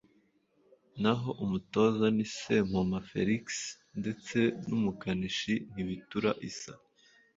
naho umutoza ni Sempoma Felix ndetse n’umukanishi Ntibitura Issa